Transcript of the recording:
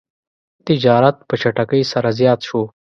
تجارت په چټکۍ سره زیات شو.